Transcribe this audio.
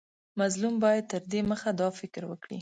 مظلوم باید تر دمخه دا فکر وکړي.